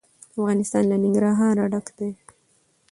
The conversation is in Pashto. افغانستان له ننګرهار ډک دی.